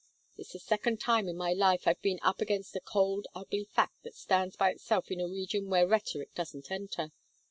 It's the second time in my life I've been up against a cold ugly fact that stands by itself in a region where rhetoric doesn't enter.